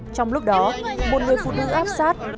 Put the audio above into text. trong lúc đó một người phụ nữ áp sát